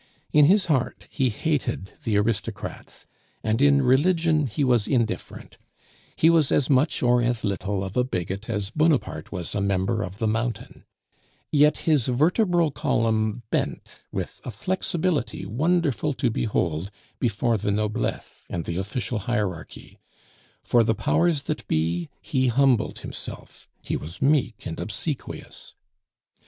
In his heart he hated the aristocrats, and in religion he was indifferent; he was as much or as little of a bigot as Bonaparte was a member of the Mountain; yet his vertebral column bent with a flexibility wonderful to behold before the noblesse and the official hierarchy; for the powers that be, he humbled himself, he was meek and obsequious.